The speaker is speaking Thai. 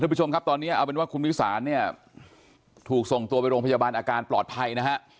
ผู้ชมครับตอนนี้เอาเป็นว่าคุณวิสานเนี่ยถูกส่งตัวไปโรงพยาบาลอาการปลอดภัยนะฮะ